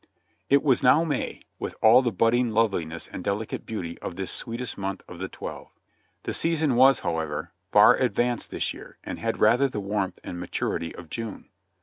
It was now May, with all the budding loveliness and delicate beauty of this sweetest month of the twelve. The season was, however, far advanced this year, and had rather the warmth and maturity of June.